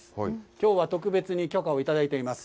きょうは特別に許可を頂いています。